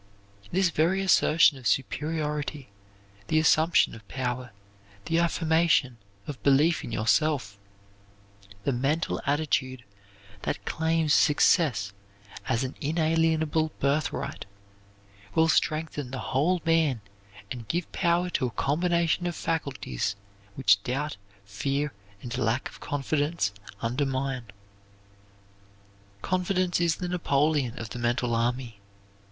This very assertion of superiority, the assumption of power, the affirmation of belief in yourself, the mental attitude that claims success as an inalienable birthright, will strengthen the whole man and give power to a combination of faculties which doubt, fear, and a lack of confidence undermine. Confidence is the Napoleon of the mental army.